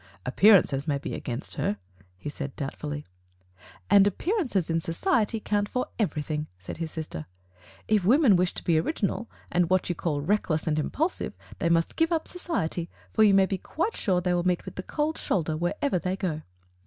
^'Appearances may be against her," he said doubtfully. "And appearances in society count for every thing," said his sister. "If women wish to be original, and what you call reckless and impulsive, they must give up society, for you may be quite sure that they will meet with the cold shoulder wherever they go."